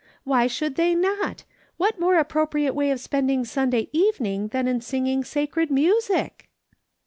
" Why should they not ? What more appropriate way of spending Sunda^^ evening than in singing sacred music